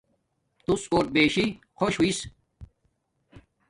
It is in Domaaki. توس کوٹ بشی خوش ہوݵس